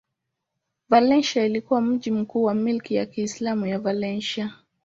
Valencia ilikuwa mji mkuu wa milki ya Kiislamu ya Valencia.